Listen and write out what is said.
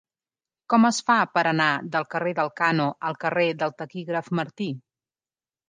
Com es fa per anar del carrer d'Elkano al carrer del Taquígraf Martí?